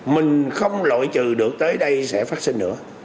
mình không lội trừ được tới đây sẽ phát sinh nữa